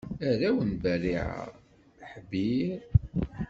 Arraw n Bariɛa: Ḥibir akked Malkiyil.